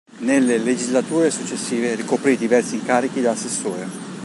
Nelle legislature successive ricoprì diversi incarichi da assessore.